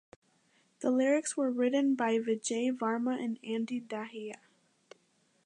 The lyrics were written by Vijay Varma and Andy Dahiya.